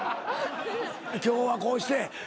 今日はこうして。